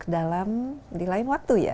dalam di lain waktu ya